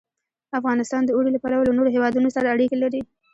افغانستان د اوړي له پلوه له نورو هېوادونو سره اړیکې لري.